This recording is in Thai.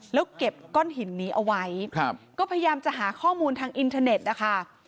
แล้วเก็บก้อนหินนี้เอาไว้ก็พยายามจะหาข้อมูลทางอินเทอร์เน็ตนะคะ